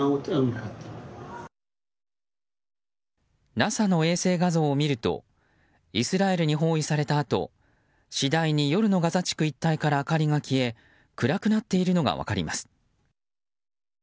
ＮＡＳＡの衛星画像を見るとイスラエルに包囲されたあと次第に、夜のガザ地区一帯から明かりが消え暗くなっているのが分かります。